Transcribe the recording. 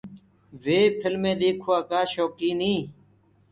وي ڦڪلمي ديکوآ ڪآ شوڪيٚن هينٚ۔